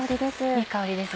いい香りです。